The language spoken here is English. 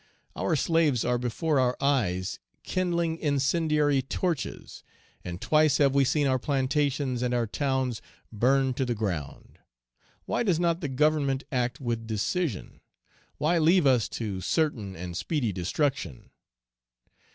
Our slaves are before our eyes kindling incendiary torches, and twice have we seen our plantations and our towns burned to the ground. Why does not the Government act with decision? Why leave us to certain and speedy destruction?"